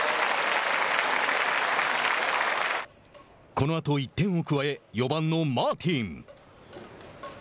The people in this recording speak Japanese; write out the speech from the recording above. このあと１点を加え４番のマーティン。